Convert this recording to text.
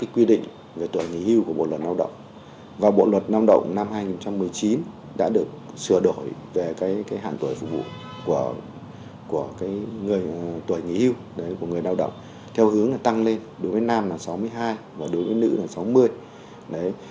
quy định về tuổi nghỉ hưu của bộ luật lao động và bộ luật lao động năm hai nghìn một mươi chín đã được sửa đổi về hạn tuổi phục vụ của người tuổi nghỉ hưu của người lao động theo hướng tăng lên đối với nam là sáu mươi hai và đối với nữ là sáu mươi